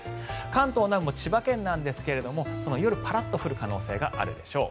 関東南部千葉県ですが夜、パラッと降る可能性があるでしょう。